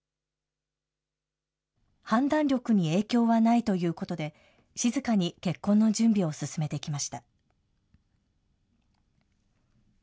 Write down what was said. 判断力に影響はないということで、静かに結婚の準備を進めてきました。